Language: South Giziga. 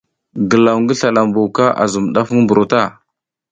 Glaw ngi slala mbuka zum daf ngi buro ta.